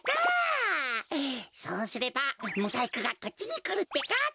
そうすればモザイクがこっちにくるってか！